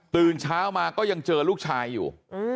ตื่นเช้ามาก็ยังเจอลูกชายอยู่